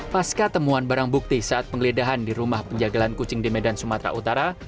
pasca temuan barang bukti saat penggeledahan di rumah penjagalan kucing di medan sumatera utara